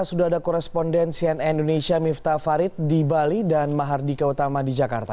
sudah ada korespondensian indonesia miftah farid di bali dan mahardika utama di jakarta